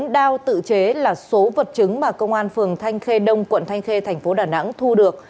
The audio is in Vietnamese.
bốn đao tự chế là số vật chứng mà công an phường thanh khê đông quận thanh khê thành phố đà nẵng thu được